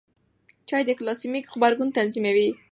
چای د ګلاسیمیک غبرګون تنظیموي.